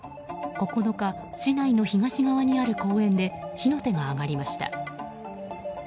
９日、市内の東側にある公園で火の手が上がりました。